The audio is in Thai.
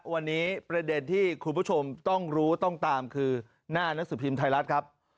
วันนี้ประเด็นที่คุณผู้ชมต้องรู้ต้องตามคือหน้านังสือพิมพ์ไทยรัฐครับ